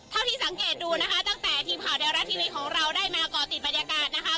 เท่าที่สังเกตดูนะคะตั้งแต่ทีมข่าวไทยรัฐทีวีของเราได้มาก่อติดบรรยากาศนะคะ